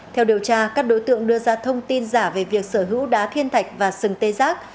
theo điều tra các đối tượng đưa ra thông tin giả về việc sở hữu đá thiên thạch và sừng tê giác